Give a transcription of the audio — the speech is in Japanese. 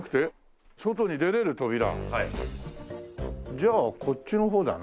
じゃあこっちの方だな。